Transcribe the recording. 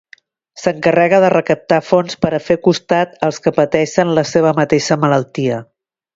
S'encarrega de recaptar fons per a fer costat als que pateixen la seva mateixa malaltia.